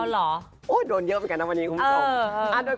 โห์โดนเยอะเป็นกันนะวันนี้คุ้มตม